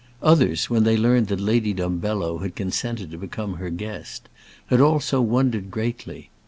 Others, when they learned that Lady Dumbello had consented to become her guest, had also wondered greatly.